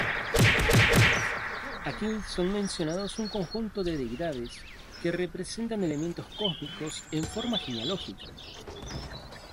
Aquí son mencionados un conjunto de deidades que representan elementos cósmicos, en forma genealógica.